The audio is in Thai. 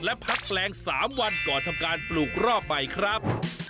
และพักแปลง๓วันก่อนทำการปลูกรอบใหม่ครับ